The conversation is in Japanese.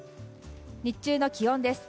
日中の気温です。